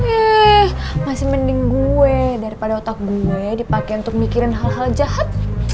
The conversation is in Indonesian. ehh masih mending gue daripada otak gue dipake untuk mikirin hal hal jahat